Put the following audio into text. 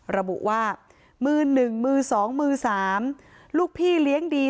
ระบุว่ามือหนึ่งมือสองมือสามลูกพี่เลี้ยงดี